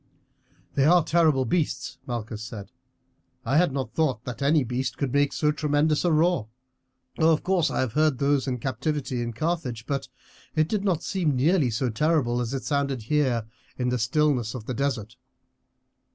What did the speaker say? "They are terrible beasts," Malchus said. "I had not thought that any beast could make so tremendous a roar. Of course I have heard those in captivity in Carthage, but it did not seem nearly so terrible as it sounded here in the stillness of the desert."